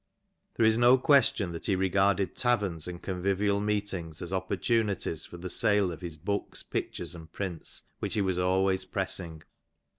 There is no question that he regarded taverns and convivial meetings as opportunities for the sale of his books, pictures and prints, which he was always pressing.